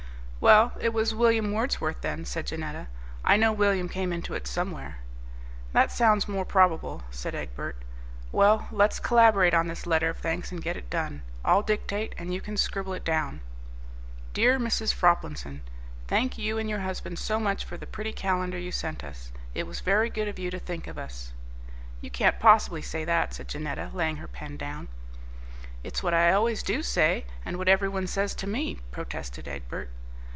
"Well, it was William Wordsworth, then," said Janetta; "I know William came into it somewhere." "That sounds more probable," said Egbert; "well, let's collaborate on this letter of thanks and get it done. I'll dictate, and you can scribble it down. 'Dear Mrs. Froplinson—thank you and your husband so much for the very pretty calendar you sent us. It was very good of you to think of us.'" "You can't possibly say that," said Janetta, laying down her pen. "It's what I always do say, and what every one says to me," protested Egbert.